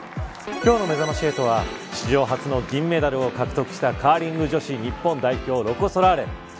今日のめざまし８は史上初の銀メダルを獲得したカーリング女子日本代表ロコ・ソラーレ。